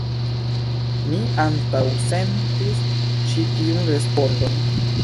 Mi antaŭsentis ĉi tiun respondon.